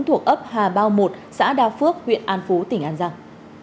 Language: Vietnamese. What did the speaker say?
thuộc ấp hà bao một xã đa phước huyện an phú tỉnh an giang